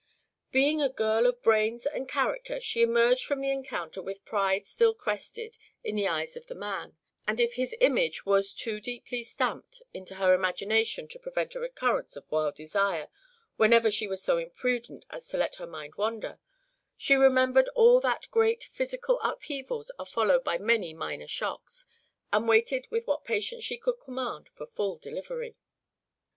Being a girl of brains and character she emerged from the encounter with pride still crested in the eyes of the man; and if his image was too deeply stamped into her imagination to prevent a recurrence of wild desire whenever she was so imprudent as to let her mind wander, she remembered that all great physical upheavals are followed by many minor shocks, and waited with what patience she could command for full delivery.